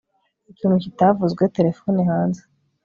ikintu kitavuzwe terefone hanze